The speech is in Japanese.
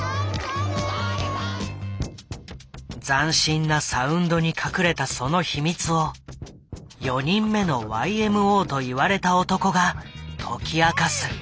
斬新なサウンドに隠れたその秘密を「４人目のＹＭＯ」と言われた男が解き明かす。